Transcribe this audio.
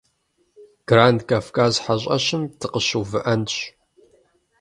Гранд Кавказ хьэщӏэщым дыкъыщыувыӏэнщ.